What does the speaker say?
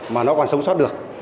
mà nó còn sống sót được